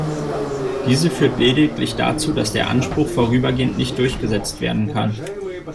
Diese führt lediglich dazu, dass der Anspruch "vorübergehend" nicht durchgesetzt werden kann.